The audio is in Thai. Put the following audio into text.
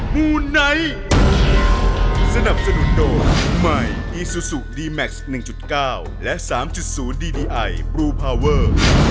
มูไนท์สนับสนุนโดยใหม่อีซูซูดีแม็กซ์๑๙และ๓๐ดีดีไอบลูพาวเวอร์